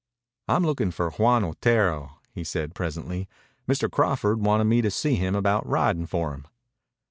"I'm looking for Juan Otero," he said presently. "Mr. Crawford wanted me to see him about riding for him."